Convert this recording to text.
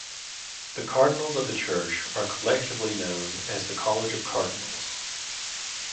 The cardinals of the Church are collectively known as the College of Cardinals.